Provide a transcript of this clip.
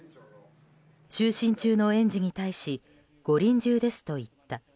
就寝中の園児に対しご臨終ですと言った。